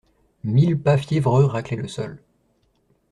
Mille pas fiévreux raclaient le sol.